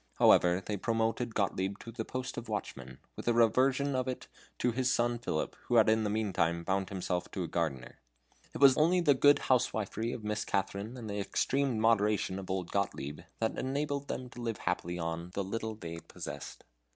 However, they promoted Gottlieb to the post of watchman, with the reversion of it to his son Philip, who had in the meantime bound himself to a gardener. It was only the good housewifery of Mistress Katharine, and the extreme moderation of old Gottlieb, that enabled them to live happily on the little they possessed.